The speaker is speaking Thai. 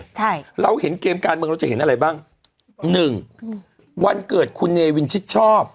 ใช่เราเห็นเกมการเมืองเราจะเห็นอะไรบ้างหนึ่งอืมวันเกิดคุณเนวินชิดชอบ